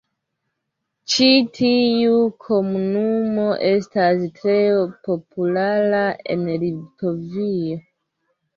Ĉi tiu komunumo estas tre populara en Litovio.